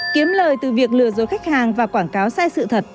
kiếm lời từ việc lừa dối khách hàng và quảng cáo sai sự thật